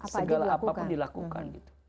segala apapun dilakukan